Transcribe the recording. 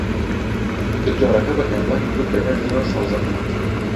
دکتۆرەکە بە کاروانی گوت دەبێت زۆر سەوزە بخوات.